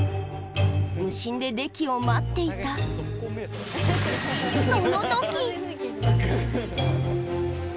無心でデキを待っていたそのとき！